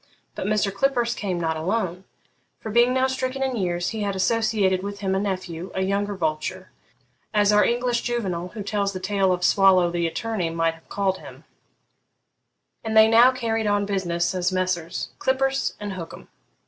But Mr. Clippurse came not alone; for, being now stricken in years, he had associated with him a nephew, a younger vulture (as our English Juvenal, who tells the tale of Swallow the attorney, might have called him), and they now carried on business as Messrs. Clippurse and Hookem.